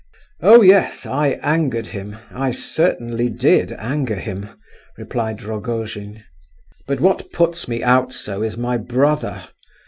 "Oh, yes; I angered him—I certainly did anger him," replied Rogojin. "But what puts me out so is my brother.